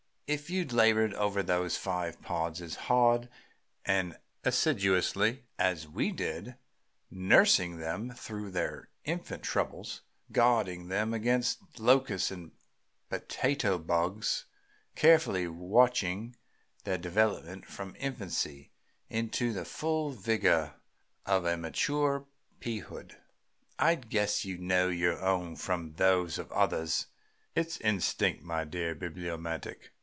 "If you'd labored over those five pods as hard and assiduously as we did, nursing them through their infant troubles, guarding them against locusts and potato bugs, carefully watching their development from infancy into the full vigor of a mature peahood, I guess you'd know your own from those of others. It's instinct, my dear Bibliomaniac."